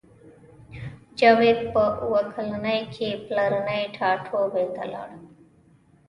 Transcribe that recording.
جاوید په اوه کلنۍ کې پلرني ټاټوبي ته لاړ